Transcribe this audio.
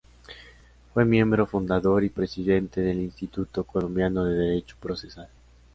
Fue miembro fundador y Presidente del Instituto Colombiano de Derecho Procesal.